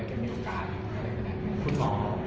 คุณหมอ